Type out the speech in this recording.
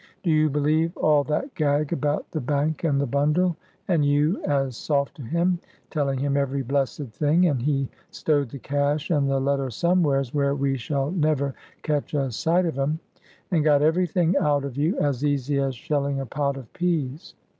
"Do you believe all that gag about the bank and the bundle? and you, as soft to him, telling him every blessed thing, and he stowed the cash and the letter somewheres where we shall never catch a sight of 'em, and got every thing out of you as easy as shelling a pod of peas."